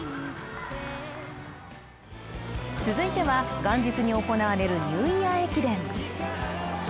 続いては元日に行われるニューイヤー駅伝。